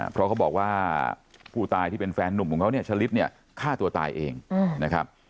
เพราะเขาบอกว่าผู้ตายที่เป็นแฟนหนุ่มของเขาเนี่ยชะลิดเนี่ยฆ่าตัวตายเองนะครับ